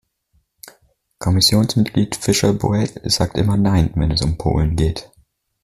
Kommissionsmitglied Fisher Boel sagt immer Nein, wenn es um Polen geht.